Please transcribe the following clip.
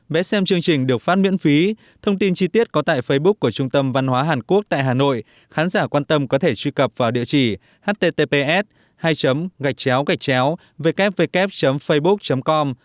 vẽ xem chương trình được phát miễn phí thông tin chi tiết có tại facebook của trung tâm văn hóa hàn quốc tại hà nội khán giả quan tâm có thể truy cập vào địa chỉ https hai gạch chéo gạch chéo www com